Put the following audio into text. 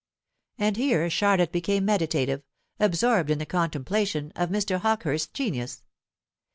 And here Charlotte became meditative, absorbed in the contemplation of Mr. Hawkehurst's genius.